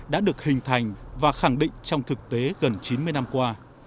đã được hình thành và khẳng định trong thực tế gần chín mươi năm qua